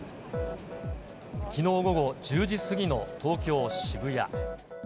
きのう午後１０時過ぎの東京・渋谷。